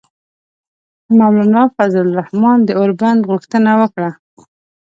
مولانا فضل الرحمان د اوربند غوښتنه وکړه.